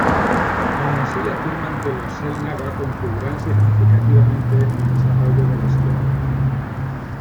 Aun así, afirman que los Xel'Naga contribuirán significativamente en el desarrollo de la historia.